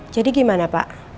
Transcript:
jadi gimana pak